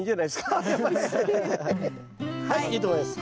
はいいいと思います。